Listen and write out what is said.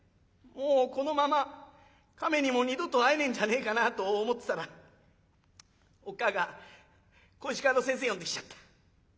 もうこのまま亀にも二度と会えねえんじゃねえかなと思ってたらおっ母ぁが小石川の先生呼んできちゃった。